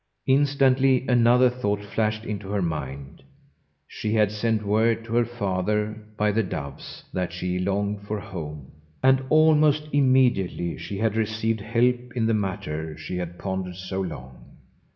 Instantly another thought flashed into her mind. She had sent word to her father by the doves that she longed for home, and almost immediately she had received help in the matter she had pondered so long.